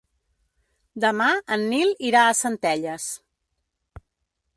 Demà en Nil irà a Centelles.